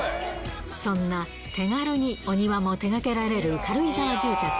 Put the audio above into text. そんな手軽にお庭も手がけられる軽井沢住宅。